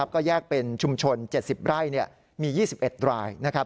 ก็แยกเป็นชุมชน๗๐ไร่มี๒๑ราย